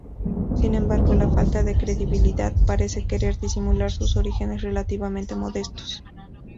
Sin embargo, la falta de credibilidad, parece querer disimular sus orígenes relativamente modestos.